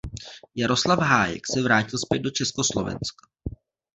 Jaroslav Hájek se vrátil zpět do Československa.